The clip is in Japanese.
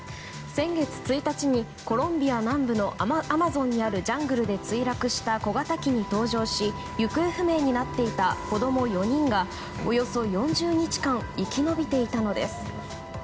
先月１日にコロンビア南部のアマゾンにあるジャングルで墜落した小型機に搭乗し行方不明になっていた子供４人がおよそ４０日間生き延びていたのです。